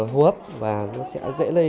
hô hấp và nó sẽ dễ